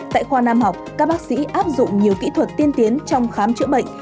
tại khoa nam học các bác sĩ áp dụng nhiều kỹ thuật tiên tiến trong khám chữa bệnh